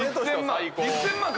１，０００万。